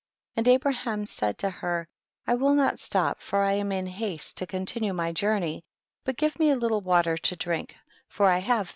41. And Abraham said to her, I will not stop for I am in haste to continue my journey, but give me a little water to drink, for I have €0 THE BOOK OF JASHER.